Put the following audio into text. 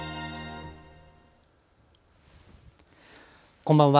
こんばんは。